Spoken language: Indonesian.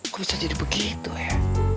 kok bisa jadi begitu ya